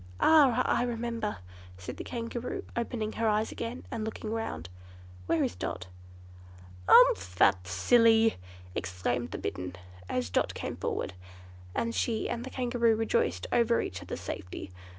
"Ah, I remember!" said the Kangaroo, opening her eyes again and looking round. "Where is Dot?" "Umph, that silly!" exclaimed the Bittern, as Dot came forward, and she and the Kangaroo rejoiced over each other's safety.